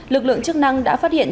lực lượng chức năng đã phát hiện